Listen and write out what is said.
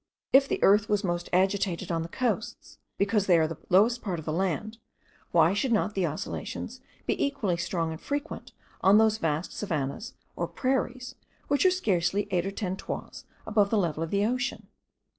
If the earth was most agitated on the coasts, because they are the lowest part of the land, why should not the oscillations be equally strong and frequent on those vast savannahs or prairies,* which are scarcely eight or ten toises above the level of the ocean?